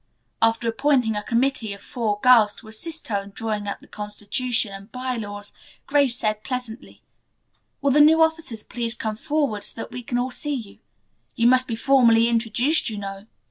After appointing a committee of four girls to assist her in drawing up the constitution and by laws, Grace said pleasantly: "Will the new officers please come forward so that we can all see you. You must be formally introduced, you know."